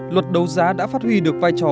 luật đấu giá đã phát huy được vai trò